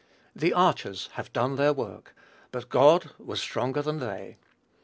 "The archers" have done their work; but God was stronger than they.